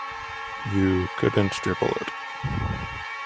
You couldn't dribble it.